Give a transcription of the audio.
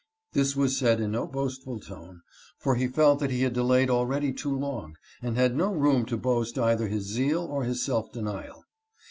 This was said in no boastful tone, for he felt that he had delayed already too long, and had no room to boast either his zeal or his self denial.